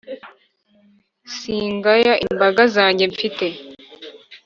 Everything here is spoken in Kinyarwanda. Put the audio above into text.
singaya imbaga zange mfite